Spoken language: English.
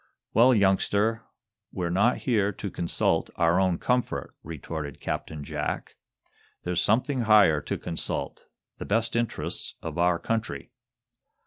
"Well, youngster, we're not here to consult our own comfort," retorted Captain Jack. "There's something higher to consult the best interests of our country."